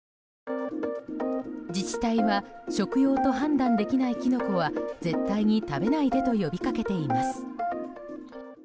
自治体は食用と判断できないキノコは絶対に食べないでと呼び掛けています。